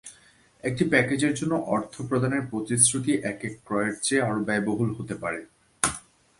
একটি প্যাকেজের জন্য অর্থ প্রদানের প্রতিশ্রুতি একক ক্রয়ের চেয়ে আরও ব্যয়বহুল হতে পারে।